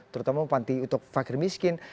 terutama panti untuk fakir miskin